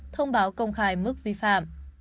thông báo công khai mức vi phạm